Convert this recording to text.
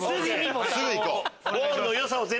すぐ行こう！